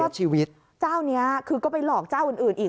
ใช่แล้วก็เจ้านี้คือก็ไปหลอกเจ้าอื่นอีก